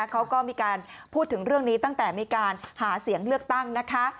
เขาก็มีการพูดถึงเรื่องนี้ตั้งแต่มีการหาเสียงเลือกตั้งนะคะ